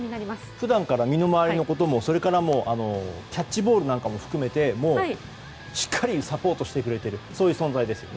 普段から身の回りのこともキャッチボールなども含めてしっかりサポートしてくれている存在ですよね。